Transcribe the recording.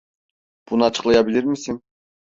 Bunu açıklayabilir misin?